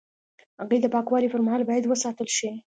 هګۍ د پاکوالي پر مهال باید وساتل شي.